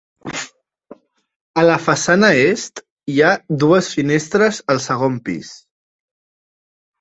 A la façana est, hi ha dues finestres al segon pis.